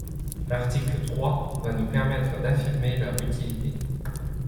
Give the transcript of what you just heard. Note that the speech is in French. L’article trois va nous permettre d’affirmer leur utilité.